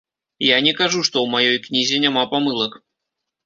Я не кажу, што ў маёй кнізе няма памылак.